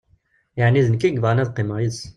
Yeɛni d nekk i yebɣan ad qqimeɣ yid-s.